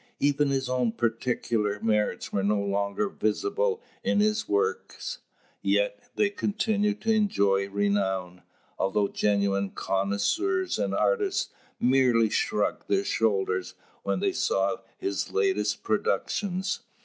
Even his own peculiar merits were no longer visible in his works, yet they continued to enjoy renown; although genuine connoisseurs and artists merely shrugged their shoulders when they saw his latest productions.